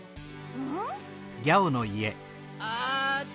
うん？